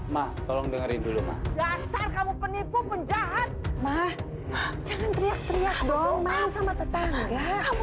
mah tolong dengerin dulu mas kamu penipu penjahat mah jangan teriak teriak dong sama tetangga kamu